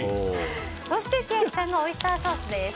そして、千秋さんがオイスターソースです。